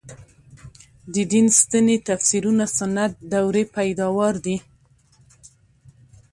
د دین سنتي تفسیرونه سنت دورې پیداوار دي.